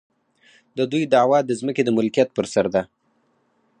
د دوی دعوه د ځمکې د ملکیت پر سر ده.